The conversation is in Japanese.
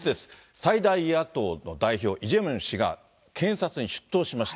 最大野党の代表、イ・ジョンミョン氏が検察に出頭しました。